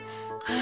あ！